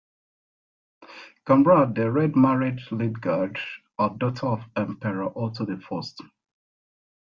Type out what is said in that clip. Conrad the Red married Liutgarde, a daughter of Emperor Otto the First.